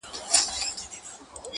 خو ټول حقيقت نه مومي هېڅکله،